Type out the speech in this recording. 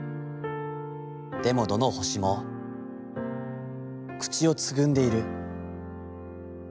でもどの星も、口をつぐんでいる。